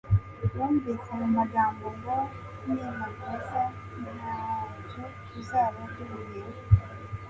Yumvise ayo magambo ngo: "nintakoza ntacyo tuzaba duhuriyeho."